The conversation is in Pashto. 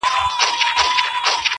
لمر کمزوری ښکاري دلته ډېر,